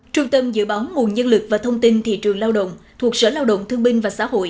trung tâm dự báo nguồn nhân lực và thông tin thị trường lao động thuộc sở lao động thương binh và xã hội